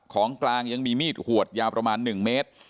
ของกลางยังมีมีดขวดยาวประมาณ๑เมตร